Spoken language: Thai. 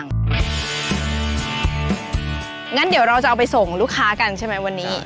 งั้นเดี๋ยวเราจะเอาไปส่งลูกค้ากันใช่ไหมวันนี้